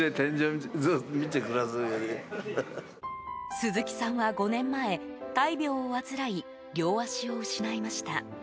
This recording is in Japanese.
鈴木さんは５年前大病を患い、両足を失いました。